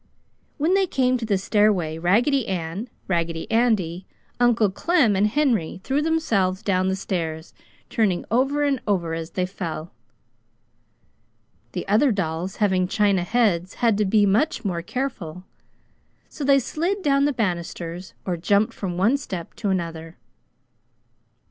When they came to the stairway Raggedy Ann, Raggedy Andy, Uncle Clem and Henny threw themselves down the stairs, turning over and over as they fell. The other dolls, having china heads, had to be much more careful; so they slid down the banisters, or jumped from one step to another.